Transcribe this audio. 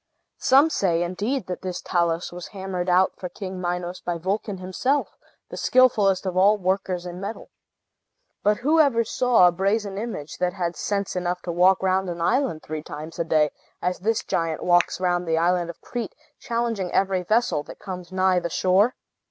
Some say, indeed, that this Talus was hammered out for King Minos by Vulcan himself, the skilfullest of all workers in metal. But who ever saw a brazen image that had sense enough to walk round an island three times a day, as this giant walks round the island of Crete, challenging every vessel that comes nigh the shore?